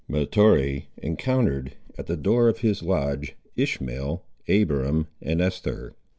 Mahtoree encountered, at the door of his lodge, Ishmael, Abiram, and Esther.